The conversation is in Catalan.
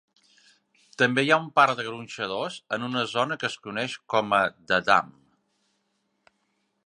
També hi ha un parc de gronxadors en una zona que es coneix com a The Dam.